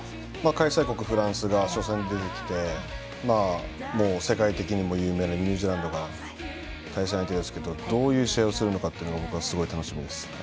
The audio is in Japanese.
開催国のフランスが初戦出てきて、世界的にも有名なニュージーランドが対戦相手ですけどどういう試合をするか楽しみです。